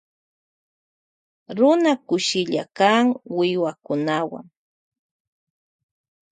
Runa kushilla kan wiwakunawan.